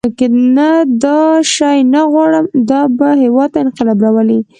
نه دا شی نه غواړم دا به هېواد ته انقلاب راولي.